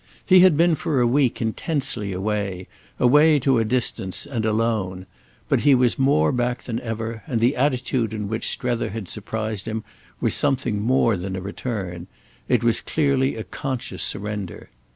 He had been for a week intensely away, away to a distance and alone; but he was more back than ever, and the attitude in which Strether had surprised him was something more than a return—it was clearly a conscious surrender.